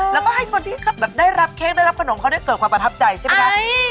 แล้วก็ให้คนที่แบบได้รับเค้กได้รับขนมเขาได้เกิดความประทับใจใช่ไหมคะ